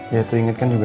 ya itu inget kan juga